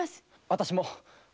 私も。